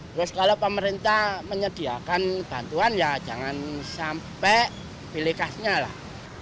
terus kalau pemerintah menyediakan bantuan ya jangan sampai pilih kasnya lah